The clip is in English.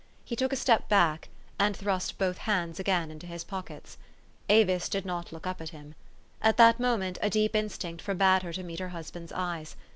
He took a step back, and thrust both hands again into Ms pockets. Avis did not look up at him. At that moment a deep instinct forbade her to meet her husband's eyes.